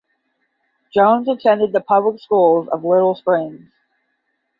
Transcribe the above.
Jones attended the public schools of Little Springs.